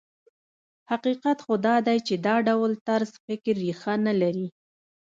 حقیقت خو دا دی چې دا ډول طرز فکر ريښه نه لري.